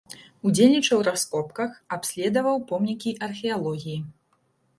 Удзельнічаў у раскопках, абследаваў помнікі археалогіі.